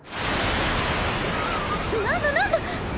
なんだなんだ！